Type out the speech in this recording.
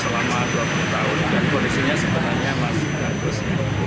pembeli trafo ini sudah beroperasi selama dua puluh tahun dan kondisinya sebenarnya masih bagus